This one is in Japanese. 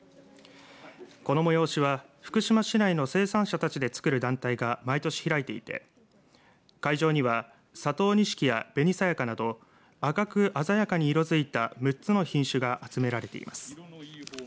この催しは福島市内の生産者たちでつくる団体が毎年開いていて会場には佐藤錦や紅さやかなど赤く鮮やかに色づいた６つの品種が集められています。